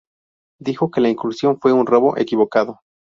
Dijo que la incursión fue un "robo equivocado.